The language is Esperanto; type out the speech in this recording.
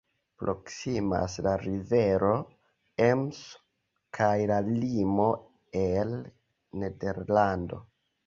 Proksimas la rivero Emso kaj la limo al Nederlando.